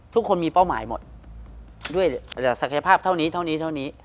ทุกคนมีเป้าหมายหมดด้วยศักยภาพเท่านี้เท่านี้เท่านี้